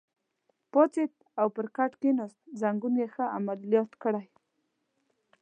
پاڅېد او پر کټ کېناست، زنګون یې ښه عملیات کړی.